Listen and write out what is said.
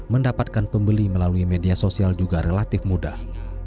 mendapatkan pembeli melalui media sosial juga relatif mudah